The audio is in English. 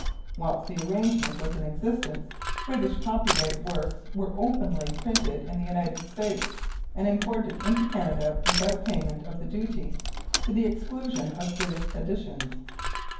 Whilst the arrangement was in existence, British copyright works were openly printed in the United States, and imported into Canada without payment of the duty, to the exclusion of British editions.